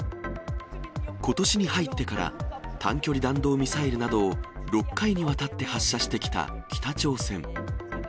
ことしに入ってから、短距離弾道ミサイルなどを６回にわたって発射してきた北朝鮮。